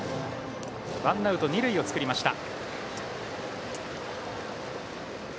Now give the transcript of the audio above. ワンアウト、二塁を作りました。